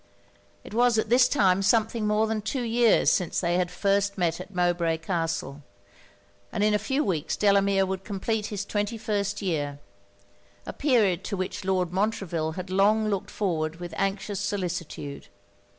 It was at this time something more than two years since they had first met at Mowbray Castle, and in a few weeks Delamere would complete his twenty first year a period to which Lord Montreville had long looked forward with anxious solicitude.